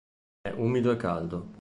È umido e caldo.